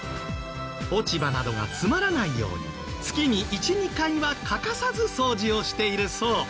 落ち葉などが詰まらないように月に１２回は欠かさず掃除をしているそう。